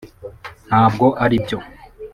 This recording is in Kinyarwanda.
ntabwo aribyo